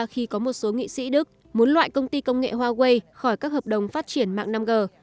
khi có một số nghị sĩ đức muốn loại công ty công nghệ huawei khỏi các hợp đồng phát triển mạng năm g